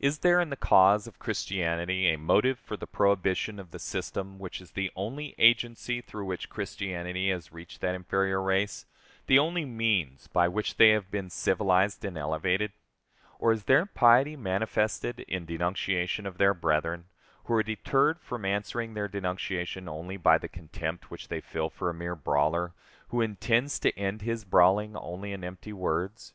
Is there, in the cause of Christianity, a motive for the prohibition of the system which is the only agency through which Christianity has reached that inferior race, the only means by which they have been civilized and elevated? Or is their piety manifested in denunciation of their brethren, who are deterred from answering their denunciation only by the contempt which they feel for a mere brawler, who intends to end his brawling only in empty words?